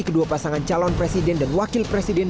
kedua pasangan calon presiden dan wakil presiden